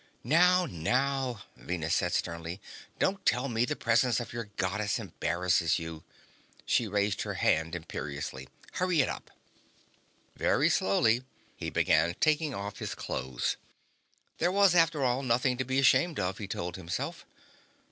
"Now, now," Venus said sternly. "Don't tell me the presence of your Goddess embarrasses you." She raised her head imperiously. "Hurry it up." Very slowly, he began taking off his clothes. There was, after all, nothing to be ashamed of, he told himself.